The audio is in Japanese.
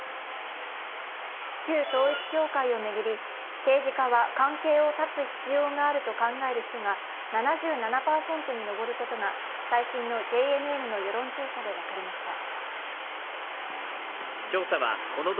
旧統一教会を巡り、政治家は関係を断つ必要があると考える人が７７％に上ることが最新のＪＮＮの世論調査で分かりました。